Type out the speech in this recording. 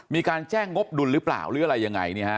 มีการแจ้งงบดุลหรือเปล่าหรืออะไรยังไง